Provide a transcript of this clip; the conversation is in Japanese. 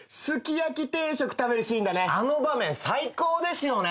あの場面最高ですよね。